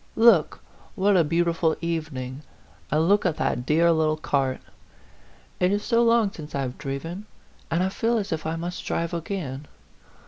" Look, what a beau tiful evening and look at that dear little cart ! It is so long since I have driven, and I feel as if I must drive again.